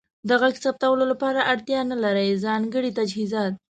د غږ ثبتولو لپاره اړتیا نلرئ ځانګړې تجهیزات.